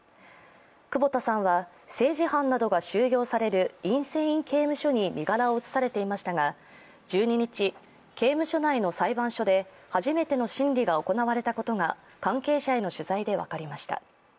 久保田さんは政治犯などが収容されるインセイン刑務所に身柄を移されていましたが、１２日刑務所内の裁判所で初めての審理が行われたことが関係者への取材で分かりました。